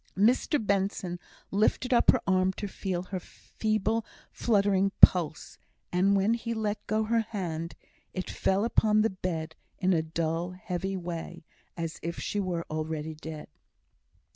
Mr Benson lifted up her arm to feel her feeble, fluttering pulse; and when he let go her hand, it fell upon the bed in a dull, heavy way, as if she were already dead.